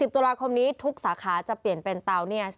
ตุลาคมนี้ทุกสาขาจะเปลี่ยนเป็นเตาเนียส